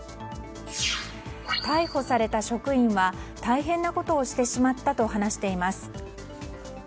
逮捕された職員は大変なことをしてしまったと話しています。